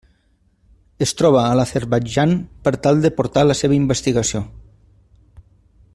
Es troba a l'Azerbaidjan per tal de portar la seva investigació.